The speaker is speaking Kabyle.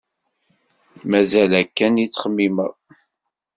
Mazal akken i ttxemmimeɣ.